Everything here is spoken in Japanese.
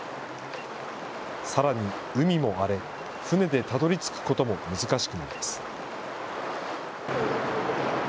さらに海も荒れ、船でたどりつくことも難しくなります。